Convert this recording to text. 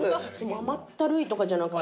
甘ったるいとかじゃなくて。